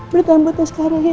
bertahan buat aku sekarang ya